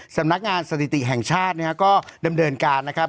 สำนักงานสถิติแห่งชาตินะฮะก็ดำเนินการนะครับ